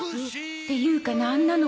っていうかなんなの？